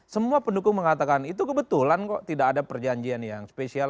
semua pendukung mengatakan itu kebetulan kok tidak ada perjanjian yang spesial